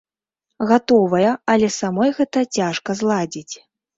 Гатовая, але самой гэта цяжка зладзіць.